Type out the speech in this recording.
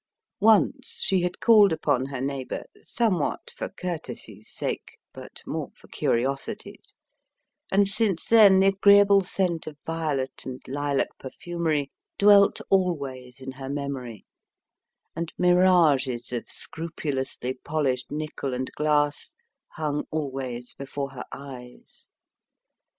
Once she had called upon her neighbour, somewhat for courtesy's sake, but more for curiosity's, and since then the agreeable scent of violet and lilac perfumery dwelt always in her memory, and mirages of scrupulously polished nickel and glass hung always before her eyes.